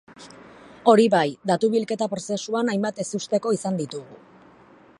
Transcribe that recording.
Hori bai, datu-bilketa prozesuan hainbat ezusteko izan ditugu.